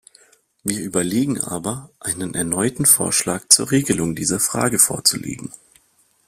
Wir überlegen aber, einen erneuten Vorschlag zur Regelung dieser Frage vorzulegen.